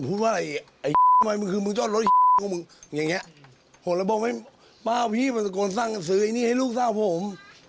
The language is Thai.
พี่มันสร้างสือไอ้นี้ให้ลูกสาวผม